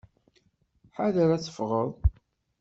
Ḥader ad tefɣeḍ!